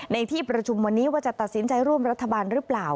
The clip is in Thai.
ในที่ประชุมวันนี้ว่าจะตัดสินใจร่วมรัฐบาลหรือเปล่า